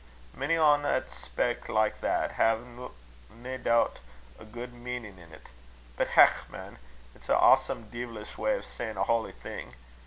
Mony ane 'at spak like that, had nae doot a guid meanin' in't; but, hech man! it's an awesome deevilich way o' sayin' a holy thing.